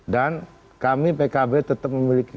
dan kami pkb tetap memiliki